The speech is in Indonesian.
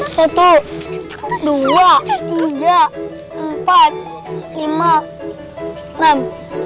satu dua tiga empat lima enam